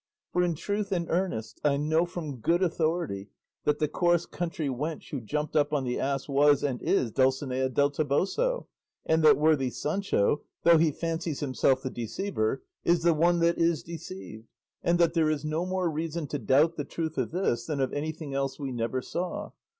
For in truth and earnest, I know from good authority that the coarse country wench who jumped up on the ass was and is Dulcinea del Toboso, and that worthy Sancho, though he fancies himself the deceiver, is the one that is deceived; and that there is no more reason to doubt the truth of this, than of anything else we never saw.